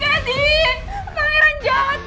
daddy aku akhirnya jalan dad